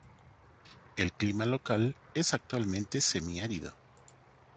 El clima local es actualmente semiárido.